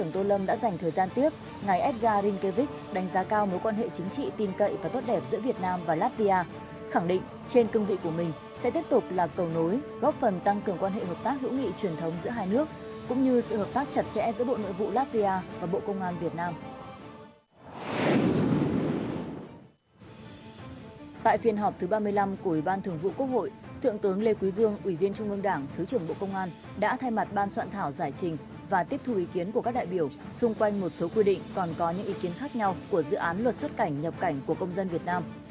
tại phiên họp thứ ba mươi năm của ủy ban thường vụ quốc hội thượng tướng lê quý vương ủy viên trung ương đảng thứ trưởng bộ công an đã thay mặt ban soạn thảo giải trình và tiếp thu ý kiến của các đại biểu xung quanh một số quy định còn có những ý kiến khác nhau của dự án luật xuất cảnh nhập cảnh của công dân việt nam